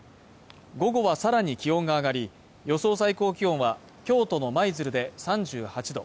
午後はさらに気温が上がり、予想最高気温は、京都の舞鶴で３８度。